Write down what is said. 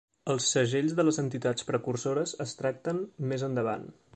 Els segells de les entitats precursores es tracten més endavant.